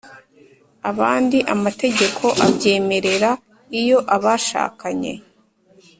abandi amategeko abyemerera Iyo abashakanye